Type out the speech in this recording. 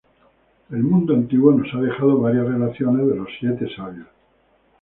El mundo antiguo nos ha dejado varias relaciones de los Siete Sabios.